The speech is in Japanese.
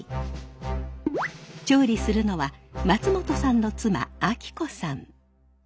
調理するのは松本さんの妻明子さん。